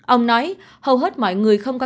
ông nói hầu hết mọi người không có